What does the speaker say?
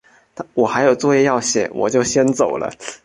我还有作业要写，我就先走了。